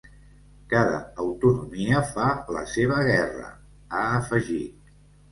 Cada autonomia fa la seva guerra, ha afegit.